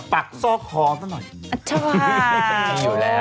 ปักซอกคอซะหน่อยอัตชาวค่ะ